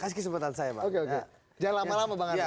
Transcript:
kasih kesempatan saya bang